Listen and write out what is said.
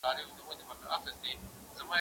کېدای سي لوبه اوږده سي،